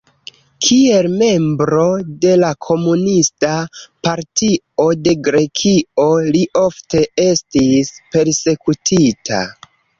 Kiel membro de la Komunista Partio de Grekio li ofte estis persekutita.